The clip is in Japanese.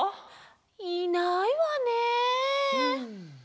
いないわね。